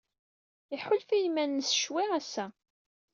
Iḥulfa i yiman-nnes ccwi ass-a?